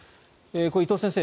伊藤先生